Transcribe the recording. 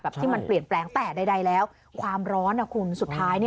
ที่มันเปลี่ยนแปลงแต่ใดแล้วความร้อนคุณสุดท้าย